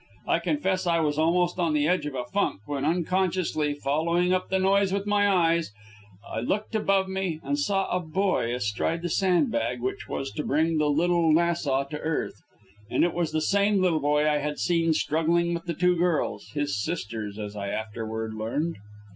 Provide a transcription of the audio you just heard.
I confess I was almost on the edge of a funk, when, unconsciously following up the noise with my eyes, I looked above me and saw a boy astride the sandbag which was to bring the "Little Nassau" to earth. And it was the same little boy I had seen struggling with the two girls his sisters, as I afterward learned.